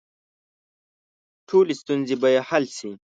ټولې ستونزې به یې حل شي.